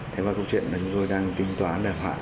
thế vài câu chuyện là chúng tôi đang tính toán để hạ